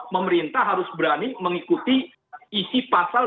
pemerintah harus berani mengikuti isi pasal tiga puluh delapan